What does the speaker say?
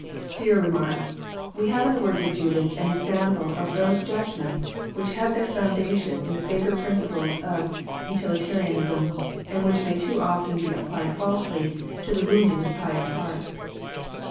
Stier remarks :We have in the words of Judas an example of those Judgments which have their foundation in the favourite principles of utilitarianism, and which may too often be applied falsely, to the wounding of pious hearts."